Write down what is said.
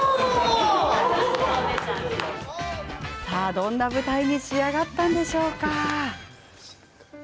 どんな舞台に仕上がったのでしょう？